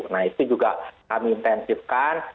nah itu juga kami intensifkan